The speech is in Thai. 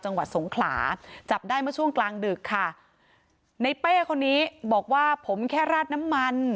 จังหวัดสงขลาจับได้เมื่อช่วงกลางดึกค่ะในเป้คนนี้บอกว่าผมแค่ราดน้ำมัน